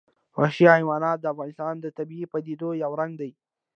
وحشي حیوانات د افغانستان د طبیعي پدیدو یو رنګ دی.